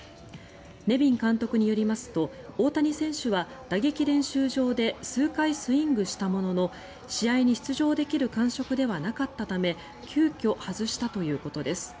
ネビン監督によりますと大谷選手は打撃練習場で数回スイングしたものの試合に出場できる感触ではなかったため急きょ外したということです。